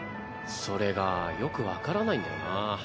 それがよく分からないんだよな。